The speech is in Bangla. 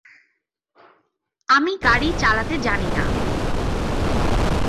আমি গাড়ি চালাতে জানি না।